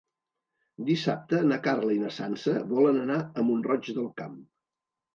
Dissabte na Carla i na Sança volen anar a Mont-roig del Camp.